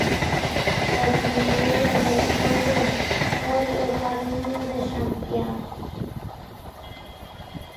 O primeiro de todos foi o camiño de Santiago.